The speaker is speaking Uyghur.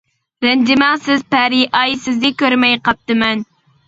رەنجىمەڭ سىز پەرى ئاي، سىزنى كۆرمەي قاپتىمەن.